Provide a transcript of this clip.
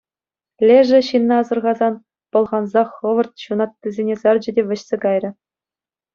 Лешӗ, ҫынна асӑрхасан, пӑлханса хӑвӑрт ҫунаттисене сарчӗ те вӗҫсе кайрӗ.